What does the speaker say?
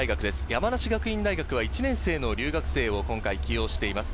山梨学院大学は１年生の留学生を今回起用しています。